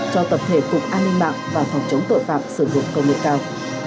cho tập thể cục an ninh mạng và phòng chống tội phạm sử dụng công nghệ cao